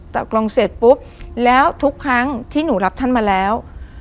ตกลงเสร็จปุ๊บแล้วทุกครั้งที่หนูรับท่านมาแล้ว